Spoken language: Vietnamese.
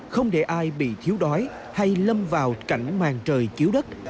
không để ai bị thiếu đói hay lâm vào cảnh màn trời chiếu đất